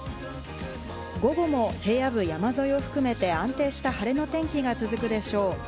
午後も平野部山沿いを含めて安定した晴れの天気が続くでしょう。